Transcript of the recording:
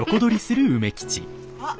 あっ！